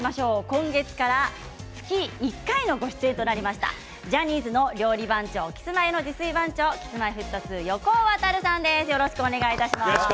今月から月１回のご出演となりましたジャニーズの料理番長キスマイの自炊番長Ｋｉｓ−Ｍｙ−Ｆｔ２の横尾渉さんです。